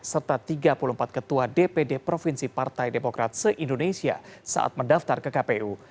serta tiga puluh empat ketua dpd provinsi partai demokrat se indonesia saat mendaftar ke kpu